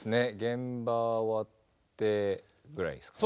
現場終わってぐらいですかね。